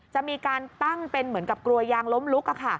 จะมีการตั้งเป็นเหมือนกับกลัวยางล้มลุก